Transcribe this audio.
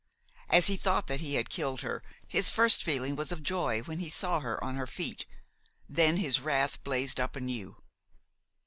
As he thought that he had killed her, his first feeling was of joy when he saw her on her feet; then his wrath blazed up anew.